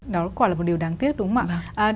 đó quả là một điều đáng tiếc đúng không ạ